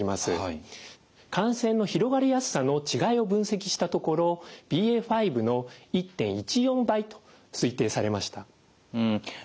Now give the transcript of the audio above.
感染の広がりやすさの違いを分析したところＢＡ．５の１．１４倍と推定されました。